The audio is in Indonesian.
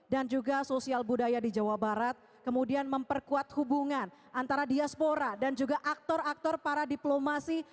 dan juga sosial budaya di jawa barat kemudian memperkuat hubungan antara diaspora dan juga aktor aktor para diplomasi